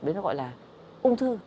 đến gọi là ung thư